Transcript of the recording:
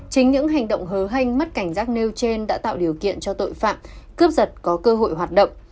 chính những hành động hớ hanh mất cảnh giác nêu trên đã tạo điều kiện cho tội phạm cướp giật có cơ hội hoạt động